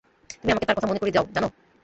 তুমি আমাকে তার কথা মনে করিয়ে দাও, জানো?